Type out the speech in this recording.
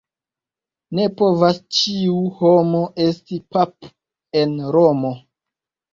Ne povas ĉiu homo esti pap' en Romo.